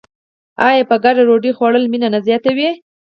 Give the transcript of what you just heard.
آیا په ګډه ډوډۍ خوړل مینه نه زیاتوي؟